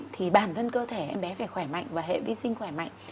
thì bản thân cơ thể em bé phải khỏe mạnh và hệ vi sinh khỏe mạnh